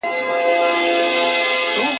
بیا به شرنګ وي د بنګړیو پر ګودر د شنو منګیو ..